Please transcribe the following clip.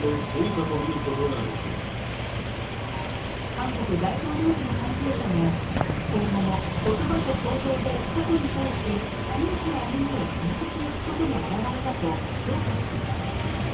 韓国大統領府の関係者も今後も言葉と行動で過去に対し真摯な歩みを続けていくことの現れだと評価しています。